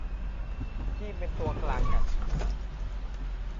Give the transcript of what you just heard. นี่เป็นตัวกลางจัดหา ?